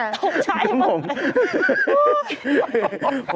ต้องใช้มาก